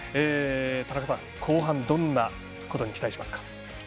田中さん、後半どんなことに期待しますか？